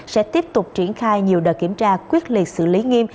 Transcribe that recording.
sẽ tiếp tục triển khai nhiều đợt kiểm tra quyết liệt xử lý nghiêm